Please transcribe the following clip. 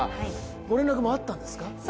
ご連絡もあったんですか？